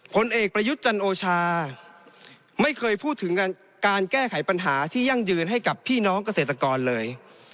ผลเอกประยุทธ์จันโอชาไม่เคยพูดถึงการแก้ไขปัญหาที่ยั่งยืนให้กับพี่น้องเกษตรกรเลย